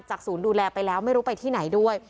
ศูนย์ดูแลไปแล้วไม่รู้ไปที่ไหนด้วย